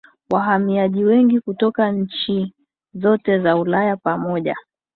wahamiaji wengi kutoka nchi zote za Ulaya pamoja